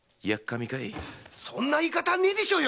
そんな言い方はないでしょう